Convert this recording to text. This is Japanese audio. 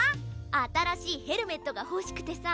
あたらしいヘルメットがほしくてさ。